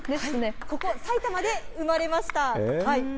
ここ、さいたまで生まれました。